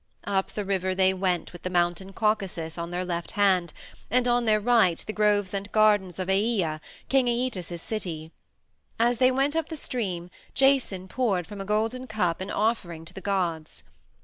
Up the river they went with the Mountain Caucasus on their left hand, and on their right the groves and gardens of Aea, King Æetes's city. As they went up the stream, Jason poured from a golden cup an offering to the gods.